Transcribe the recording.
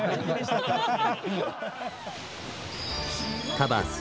「カバーズ」